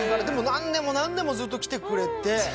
何年も何年もずっと来てくれて。